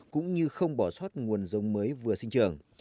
cũng như không bỏ xót nguồn rông mới vừa sinh trường